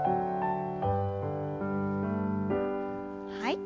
はい。